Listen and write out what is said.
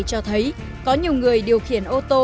cho thấy có nhiều người điều khiển ô tô